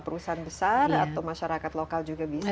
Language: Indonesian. perusahaan besar atau masyarakat lokal juga bisa